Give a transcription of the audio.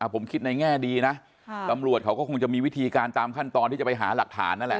ผมคิดในแง่ดีนะตำรวจเขาก็คงจะมีวิธีการตามขั้นตอนที่จะไปหาหลักฐานนั่นแหละ